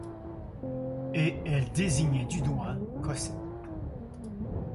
Et elle désignait du doigt Cosette.